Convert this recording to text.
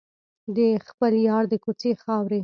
د خپل یار د کوڅې خاورې.